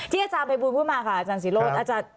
ที่อาจารย์ไปบูญพูดมาค่ะอาจารย์ศิรษฐ์